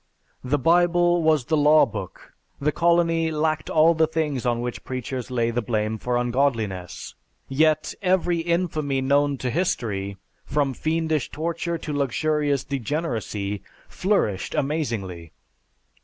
The Bible was the law book. The Colony lacked all the things on which preachers lay the blame for ungodliness; yet, every infamy known to history, from fiendish torture to luxurious degeneracy flourished amazingly.